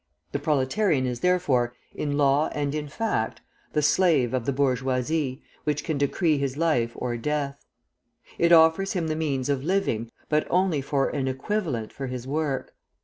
The proletarian is, therefore, in law and in fact, the slave of the bourgeoisie, which can decree his life or death. It offers him the means of living, but only for an "equivalent" for his work.